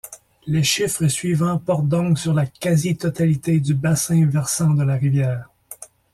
Les chiffres suivants portent donc sur la quasi-totalité du bassin versant de la rivière.